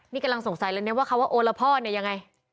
นี่กำลังสงสัยแล้วเนี่ยว่าเขาว่าโอรพ่อเนี่ยยังไง